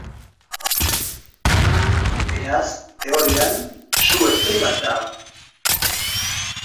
Beraz, teorian, su-eten bat da hau.